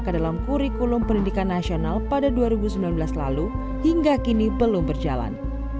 ke dalam kurikulum pendidikan nasional pada dua ribu sembilan belas lalu hingga kini belum berjalan